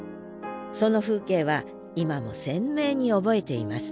その風景は今も鮮明に覚えています。